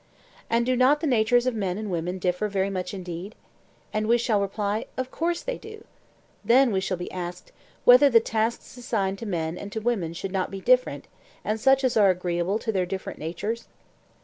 'And do not the natures of men and women differ very much indeed?' And we shall reply: Of course they do. Then we shall be asked, 'Whether the tasks assigned to men and to women should not be different, and such as are agreeable to their different natures?